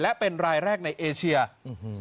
และเป็นรายแรกในเอเชียอื้อหือ